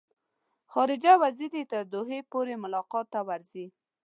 خارجه وزیر یې تر دوحې پورې ملاقات ته ورځي.